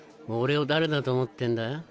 俺を誰だと思ってんだ？